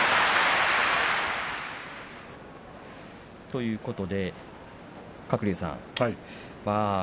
ということで鶴竜さん